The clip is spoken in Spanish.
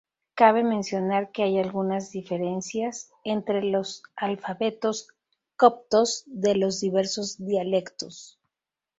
Cabe mencionar que hay algunas diferencias entre los alfabetos coptos de los diversos dialectos.